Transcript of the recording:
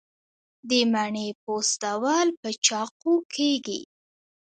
د مڼې پوستول په چاقو کیږي.